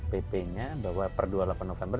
pp nya bahwa per dua puluh delapan november